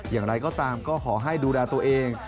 อย่างไรก็ตามก็ขอให้ดูแลตัวเอง